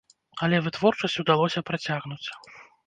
Але вытворчасць удалося працягнуць.